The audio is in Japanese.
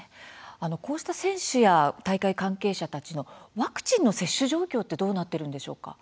選手や大会関係者たちのワクチンの接種状況はどうなっているんでしょうか。